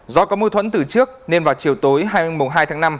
do có mô thuẫn từ trước nên vào chiều tối hai tháng năm